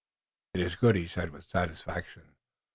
"It is good," he said with satisfaction.